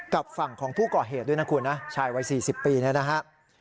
กับฝั่งของผู้ก่อเหตุด้วยนะคุณนะชายวัย๔๐ปีเนี่ยนะฮะ